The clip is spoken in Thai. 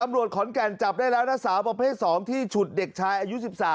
ขอนแก่นจับได้แล้วนะสาวประเภท๒ที่ฉุดเด็กชายอายุ๑๓